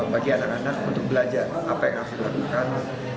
bagi anak anak untuk belajar apa yang harus dilakukan